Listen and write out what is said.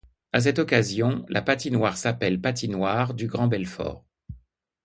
À cette occasion, la patinoire s'appelle Patinoire du Grand Belfort.